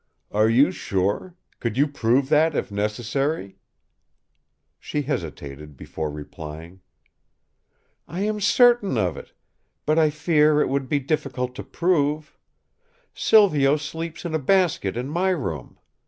"Are you sure? Could you prove that if necessary?" She hesitated before replying: "I am certain of it; but I fear it would be difficult to prove. Silvio sleeps in a basket in my room.